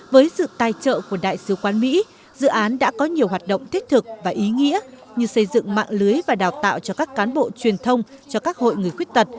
với sự tài trợ của đại sứ quán mỹ dự án đã có nhiều hoạt động thiết thực và ý nghĩa như xây dựng mạng lưới và đào tạo cho các cán bộ truyền thông cho các hội người khuyết tật